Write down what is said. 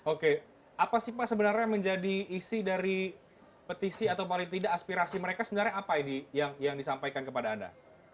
oke apa sih pak sebenarnya menjadi isi dari petisi atau paling tidak aspirasi mereka sebenarnya apa yang disampaikan kepada anda